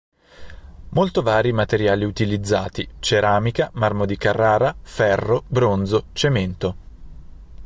Molto vari i materiali utilizzati: ceramica, marmo di Carrara, ferro, bronzo, cemento.